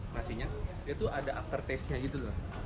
pastinya itu ada after taste nya gitu loh